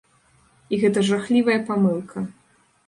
І гэта жахлівая памылка.